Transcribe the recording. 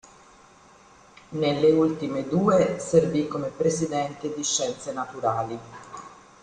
Nelle ultime due servì come presidente di scienze naturali.